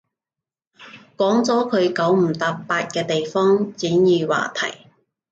講咗佢九唔搭八嘅地方，轉移話題